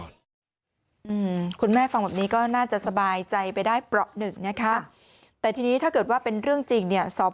น่าจะสบายใจไปได้ประหนึ่งแต่ทีนี้ถ้าเกิดว่าเป็นเรื่องจริง